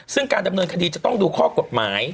ซึ่งการดำเนินคดีจะต้องดูข้อกฎหมาย